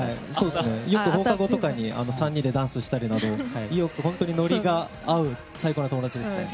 よく放課後とかに３人でダンスしたりなどノリが合う最高の友達です。